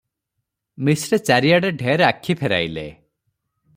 ମିଶ୍ରେ ଚାରିଆଡେ ଢେର ଆଖି ଫେରାଇଲେ ।